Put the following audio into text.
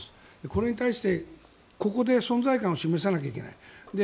これに対して、ここで存在感を示さなきゃいけない。